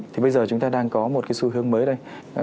thì bây giờ chúng ta đang có một cái xu hướng mới đây